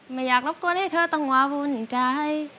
ไม่อยากรบกวนให้เธอต้องมาวุ่นใจ